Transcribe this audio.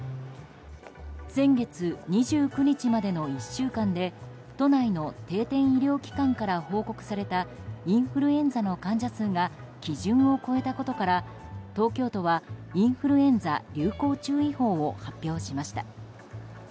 先月２９日までの１週間で都内の定点医療機関から報告されたインフルエンザの患者数が基準を超えたことから東京都はインフルエンザ流行注意報を発表しました。